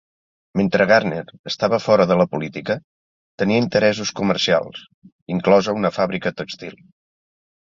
Mentre Gardner estava fora de la política, tenia interessos comercials, inclosa una fàbrica tèxtil.